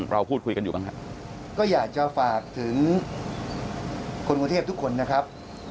เราพูดคุยกันอยู่บ้างครับก็อยากจะฝากถึงคนกรุงเทพทุกคนนะครับ